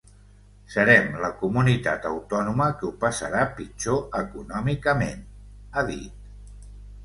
Serem la comunitat autònoma que ho passarà pitjor econòmicament, ha dit.